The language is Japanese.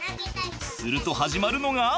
すると始まるのが。